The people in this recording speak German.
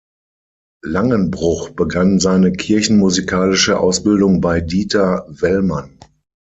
Langenbruch begann seine kirchenmusikalische Ausbildung bei Dieter Wellmann.